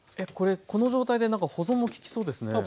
これこの状態で保存も利きそうですね。